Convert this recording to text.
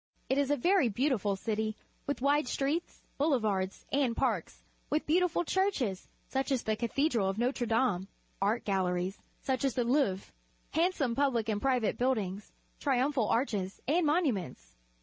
It is a verj' beautiful citj , with wide streets, boulevards, and parks, with beautiful church es, such as the Cathedral of Notre Dame, art galleries, such as the Louvre, hand.some pubUc and private buildings, triumphal arches and monuments.